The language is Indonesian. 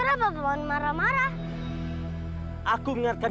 enggam bugam that a agriculture man